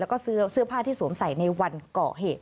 แล้วก็เสื้อผ้าที่สวมใส่ในวันก่อเหตุ